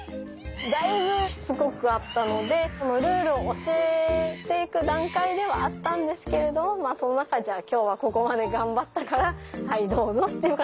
だいぶしつこかったのでルールを教えていく段階ではあったんですけれどもその中でじゃあ今日はここまで頑張ったからはいどうぞっていう形で少しあげていました。